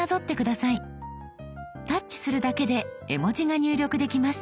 タッチするだけで絵文字が入力できます。